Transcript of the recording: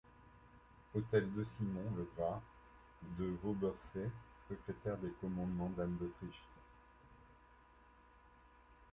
Hôtel de Simon le Gras de Vaubercey, secrétaire des commandements d'Anne d'Autriche.